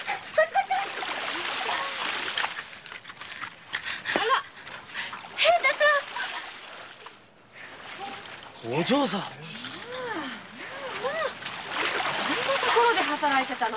こんなところで働いていたのかい。